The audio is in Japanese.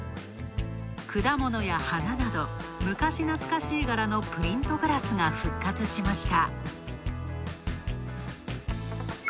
果物や花など昔懐かしい柄のプリントグラスが復活しました。